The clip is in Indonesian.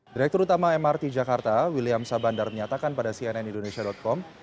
direktur utama mrt jakarta william sabandar menyatakan pada cnn indonesia com